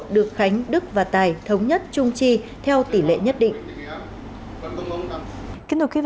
được khánh đức và tài thống nhất trung chi theo tỷ lệ nhất định